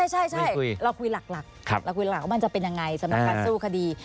ใช่เราคุยหลักว่ามันจะเป็นยังไงจำนวนการสู้คดี